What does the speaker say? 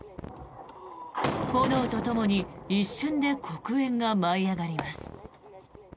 炎とともに一瞬で黒煙が舞い上がります。